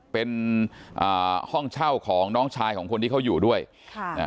เป็นอ่าห้องเช่าของน้องชายของคนที่เขาอยู่ด้วยค่ะอ่า